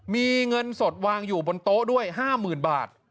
มีเงินสดวางอยู่บนโต๊ะด้วย๕๐๐๐บาท